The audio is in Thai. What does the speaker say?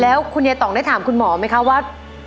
แล้วคุณยายต่องได้ถามคุณหมอไหมคะว่า